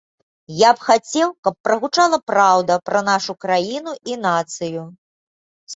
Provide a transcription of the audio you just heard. Я б хацеў, каб прагучала праўда пра нашу краіну і нацыю.